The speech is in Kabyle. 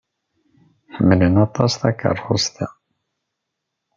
Ḥemmlen aṭas takeṛṛust-a.